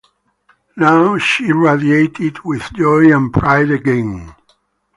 Now she radiated with joy and pride again.